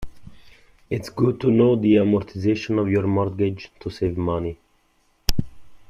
Its good to know the amortization of your mortgage to save money.